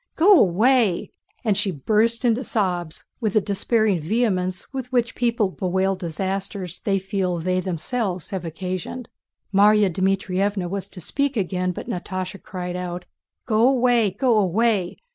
Go away!" And she burst into sobs with the despairing vehemence with which people bewail disasters they feel they have themselves occasioned. Márya Dmítrievna was to speak again but Natásha cried out: "Go away! Go away!